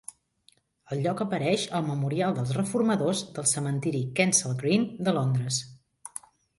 El lloc apareix al Memorial dels Reformadors del Cementiri Kensal Green de Londres.